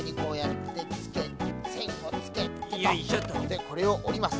でこれをおります。